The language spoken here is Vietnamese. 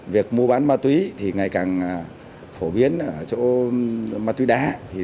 việc mua bán ma túy thì ngày càng phổ biến ở chỗ ma túy đá